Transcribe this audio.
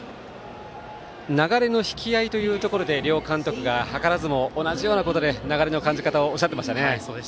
流れの引き合いというところで両監督が図らずも同じようなところで感じ方をおっしゃっていました。